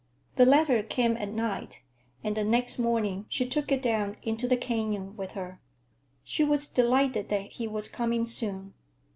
The letter came at night, and the next morning she took it down into the canyon with her. She was delighted that he was coming soon.